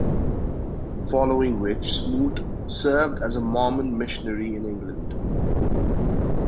Following which, Smoot served as a Mormon missionary in England.